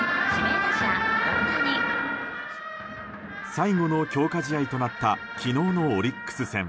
最後の強化試合となった昨日のオリックス戦。